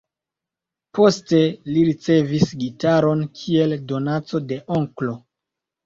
Poste li ricevis gitaron kiel donaco de onklo.